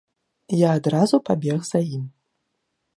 Я адразу пабег за ім.